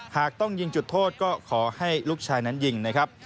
หากต้องยิงจุดโทษก็ขอให้ลูกชายนั้นยิงนะครับ